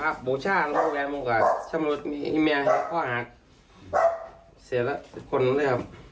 คุณแม่ลูกท้ายเป็นอย่างไร